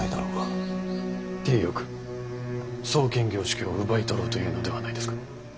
体よく惣検校職を奪い取ろうというのではないですか。